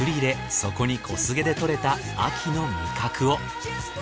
そこに小菅でとれた秋の味覚を。